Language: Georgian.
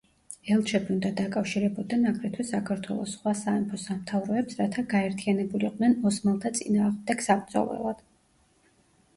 ელჩები უნდა დაკავშირებოდნენ აგრეთვე საქართველოს სხვა სამეფო-სამთავროებს, რათა გაერთიანებულიყვნენ ოსმალთა წინააღმდეგ საბრძოლველად.